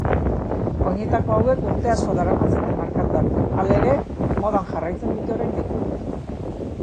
Oinetako hauek urte asko daramatzate merkatuan, halere, modan jarraitzen dute oraindik.